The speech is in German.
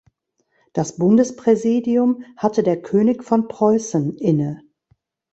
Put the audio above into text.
Das Bundespräsidium hatte der König von Preußen inne.